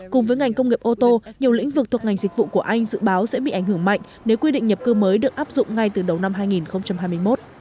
cùng với ngành công nghiệp ô tô nhiều lĩnh vực thuộc ngành dịch vụ của anh dự báo sẽ bị ảnh hưởng mạnh nếu quy định nhập cư mới được áp dụng ngay từ đầu năm hai nghìn hai mươi một